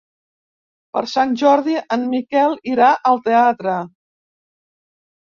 Per Sant Jordi en Miquel irà al teatre.